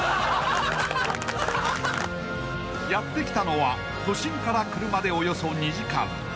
［やって来たのは都心から車でおよそ２時間］